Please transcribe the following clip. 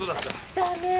ダメ。